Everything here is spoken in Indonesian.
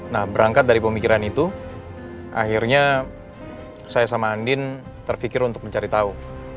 nah berangkat dari pemikiran itu akhirnya saya sama andin terfikir untuk mencari tahu